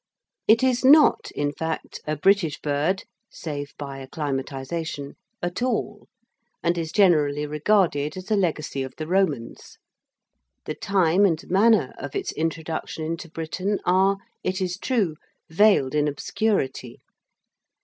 It is not, in fact, a British bird, save by acclimatisation, at all, and is generally regarded as a legacy of the Romans. The time and manner of its introduction into Britain are, it is true, veiled in obscurity.